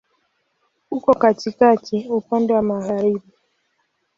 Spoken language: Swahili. Uko katikati, upande wa magharibi.